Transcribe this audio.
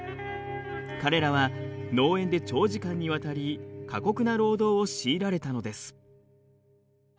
彼らは農園で長時間にわたり過酷な労働を強いられたのです。